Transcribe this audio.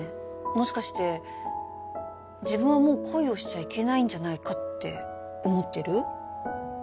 もしかして自分はもう恋をしちゃいけないんじゃないかって思ってる？